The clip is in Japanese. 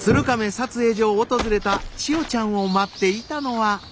撮影所を訪れた千代ちゃんを待っていたのは。